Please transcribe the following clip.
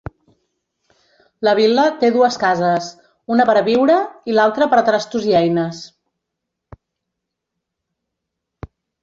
La vil·la té dues cases: una per a viure i l'altra per a trastos i eines.